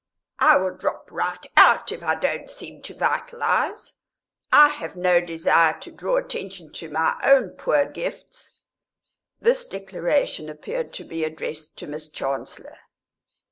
"I will drop right out if I don't seem to vitalise. I have no desire to draw attention to my own poor gifts." This declaration appeared to be addressed to Miss Chancellor.